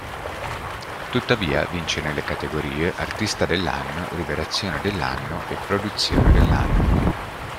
Tuttavia vince nelle categorie "artista dell'anno", "rivelazione dell'anno" e "produzione dell'anno".